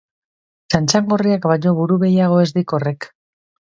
Txantxangorriak baino buru behiago ez dik horrek.